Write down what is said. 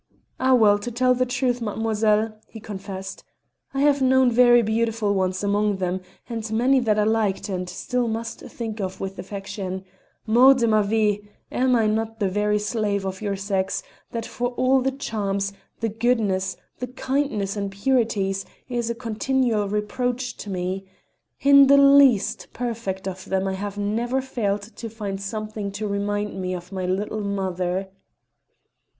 "Ah! well, to tell the truth, mademoiselle," he confessed, "I have known very beautiful ones among them, and many that I liked, and still must think of with affection. Mort de ma vie! am I not the very slave of your sex, that for all the charms, the goodness, the kindnesses and purities, is a continual reproach to mine? In the least perfect of them I have never failed to find something to remind me of my little mother."